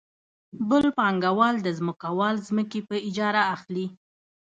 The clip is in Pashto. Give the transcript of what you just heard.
بل پانګوال د ځمکوال ځمکې په اجاره اخلي